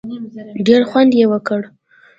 ډېر خوند یې وکړ.